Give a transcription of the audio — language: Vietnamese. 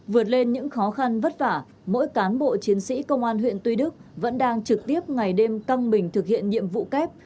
vượt lên những khó khăn vất vả mỗi cán bộ chiến sĩ công an huyện tuy đức vẫn đang trực tiếp ngày đêm căng mình thực hiện nhiệm vụ kép